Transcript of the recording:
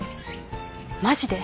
マジで？